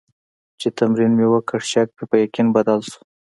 چې تمرین مې وکړ، شک مې په یقین بدل شو.